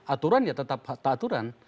aturan ya tetap tak aturan